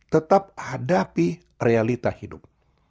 tetap hadapi realita hidup